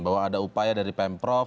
bahwa ada upaya dari pemprov